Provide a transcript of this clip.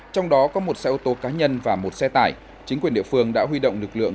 trong đó có một xe ô tô cá nhân và một xe tải chính quyền địa phương đã huy động lực lượng